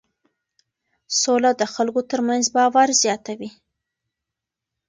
سوله د خلکو ترمنځ باور زیاتوي.